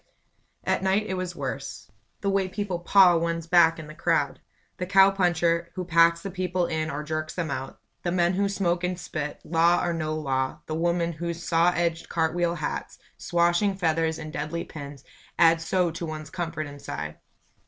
At night it was worse. The way people paw one's back in the crowd! The cow puncher who packs the people in or jerks them out the men who smoke and spit, law or no law the women whose saw edged cart wheel hats, swashing feathers and deadly pins, add so to one's comfort inside.